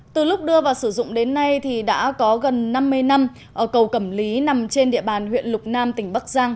từ lúc đưa vào sử dụng đến nay thì đã có gần năm mươi năm cầu cẩm lý nằm trên địa bàn huyện lục nam tỉnh bắc giang